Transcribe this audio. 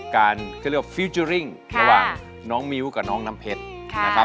เรียกว่าฟิวเจอร์ริ่งระหว่างน้องมิ้วกับน้องน้ำเพชรนะครับ